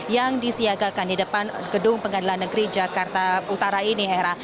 yang disiagakan di depan gedung pengadilan negeri jakarta utara ini hera